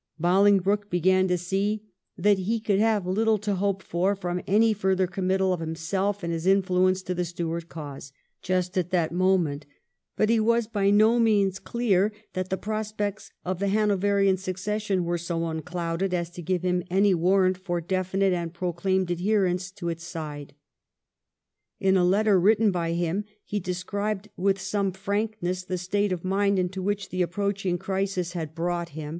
BoUngbroke began to see that he could have little to hope for from any further committal of himself and his influence to the Stuart cause, just at that moment, but he was by no means clear that the prospects of the Hanoverian succession were so unclouded as to give him any warrant for definite and proclaimed adherence to its side. In a letter written by him he described with some frankness the state of mind into which the approaching crisis had brought him 1714 WIND^AM^S BILL.